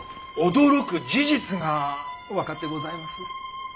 驚く事実が分かってございます。